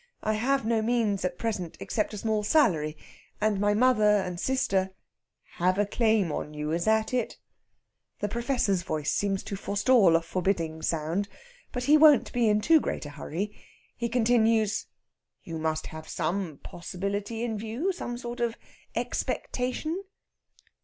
I have no means at present except a small salary. And my mother and sister " "Have a claim on you is that it?" The Professor's voice seems to forestall a forbidding sound. But he won't be in too great a hurry. He continues: "You must have some possibility in view, some sort of expectation."